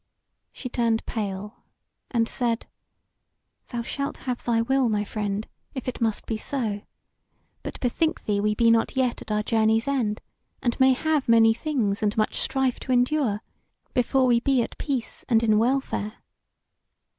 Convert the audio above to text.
She turned pale, and said: "Thou shalt have thy will, my friend, if it must be so. But bethink thee we be not yet at our journey's end, and may have many things and much strife to endure, before we be at peace and in welfare.